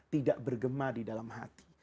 tidak bergema di dalam hati